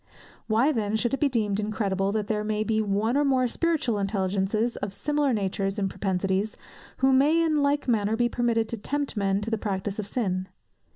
Why then should it be deemed incredible, that there may be one or more spiritual intelligences of similar natures and propensities, who may in like manner be permitted to tempt men to the practice of sin?